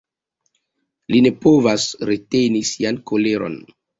Li ne povas reteni sian koleron.